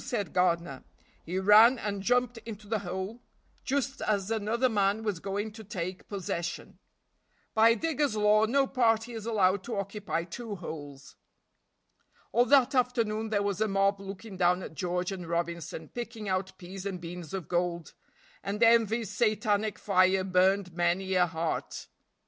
said Gardiner. He ran and jumped into the hole just as another man was going to take possession. By digger's law no party is allowed to occupy two holes. All that afternoon there was a mob looking down at George and Robinson picking out peas and beans of gold, and envy's satanic fire burned many a heart.